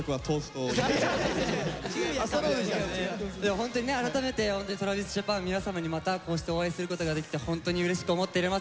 ホントにね改めてＴｒａｖｉｓＪａｐａｎ皆様にまたこうしてお会いすることができてホントにうれしく思っております。